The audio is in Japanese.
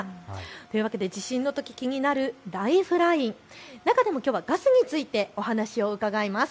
というわけで地震のとき気になるライフライン、中でもきょうはガスについてお話を伺います。